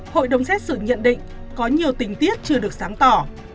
hội đồng xét xử nhận định có nhiều tình tiết chưa được sáng tỏ